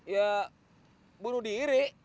ya bunuh diri